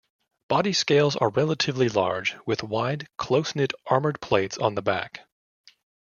Body scales are relatively large, with wide, close-knit armoured plates on the back.